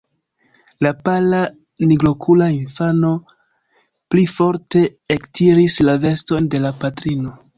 La pala nigrokula infano pli forte ektiris la veston de la patrino.